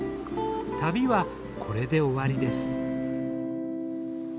旅はこれで終わりです。